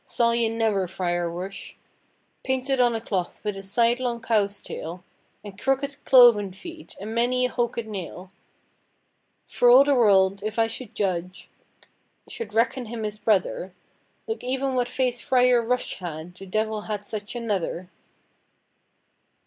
Saw ye never Fryer Rushe, Painted on a cloth, with a side–long cowe's tayle, And crooked cloven feet, and many a hoked nayle? For al the world (if I schuld judg) chould reckon him his brother; Loke even what face frier Rush had, the devil had such another."